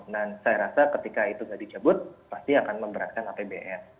dan saya rasa ketika itu gak dicabut pasti akan memberatkan apbn